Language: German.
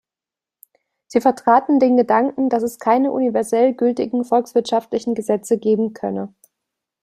Sie vertraten den Gedanken, dass es keine universell gültigen volkswirtschaftlichen Gesetze geben könne.